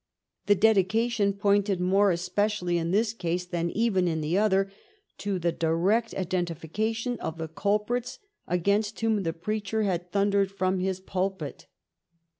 The dedication pointed more especially in this case than even in the other to the direct identification of the culprits against whom the preacher had thundered from his pulpit.